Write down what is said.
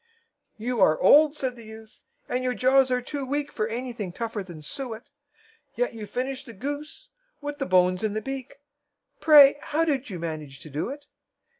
"You are old," said the youth, "and your jaws are too weak For anything tougher than suet; Yet you finished the goose, with the bones and the beak Pray, how did you manage to do it?"